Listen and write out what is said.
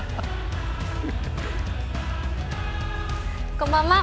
こんばんは。